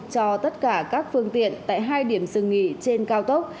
cho tất cả các phương tiện tại hai điểm dừng nghỉ trên cao tốc